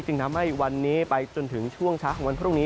ทำให้วันนี้ไปจนถึงช่วงเช้าของวันพรุ่งนี้